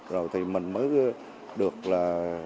rồi thì mình mới được là